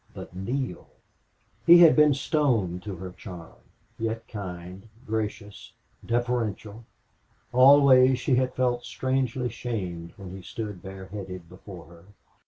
But Neale! He had been stone to her charm, yet kind, gracious, deferential. Always she had felt strangely shamed when he stood bareheaded before her.